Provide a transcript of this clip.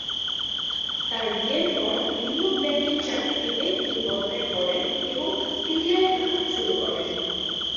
তার বিয়ের পর বিনিয়োগ ব্যাংকিং চাকরি থেকে তিনি পদত্যাগ করেন এবং সিরিয়ায় থাকা শুরু করেন।